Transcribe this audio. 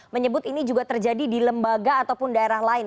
menyebut ini juga terjadi di lembaga ataupun daerah lain